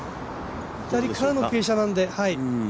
左からの傾斜なんで。